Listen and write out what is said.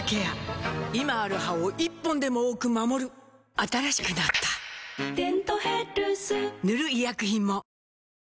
今ある歯を１本でも多く守る新しくなった「デントヘルス」塗る医薬品も